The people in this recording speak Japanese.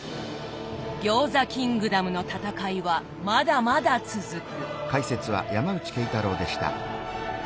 餃子キングダムの戦いはまだまだ続く。